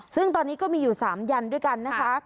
ซึ่งตอนนี้ก็มีอยู่๓ยันด้วยกันนะคะ